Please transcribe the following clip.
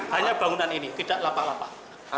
hanya bangunan ini tidak lapak lapak